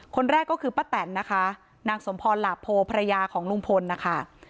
คนแรกก็คือป้าแตนนะคะนางสมพรหลาโพภรรยาของลุงพลนะคะ